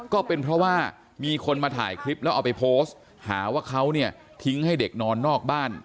ก็เป็นเพราะว่ามีคนมาถ่ายคลิปแล้วเอาไปโพสต์หาว่าเขาเนี่ยทิ้งให้เด็กนอนนอกบ้าน